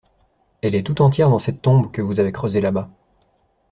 Elle est tout entière dans cette tombe, que vous avez creusée là-bas.